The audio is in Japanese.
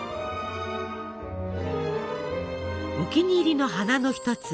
お気に入りの花の一つ